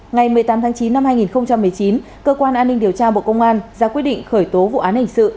ngày một mươi tám tháng chín năm hai nghìn một mươi chín cơ quan an ninh điều tra bộ công an ra quyết định khởi tố vụ án hình sự